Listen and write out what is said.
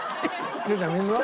哲ちゃん水は？